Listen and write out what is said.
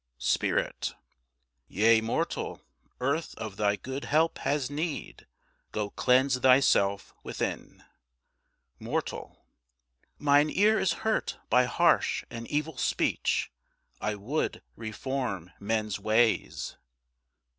Spirit. Yea, mortal, earth of thy good help has need. Go cleanse thyself within. Mortal. Mine ear is hurt by harsh and evil speech. I would reform men's ways.